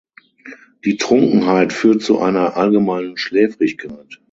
Die Trunkenheit führt zu einer allgemeinen Schläfrigkeit.